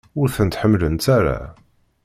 Ur ten-ḥemmlent ara?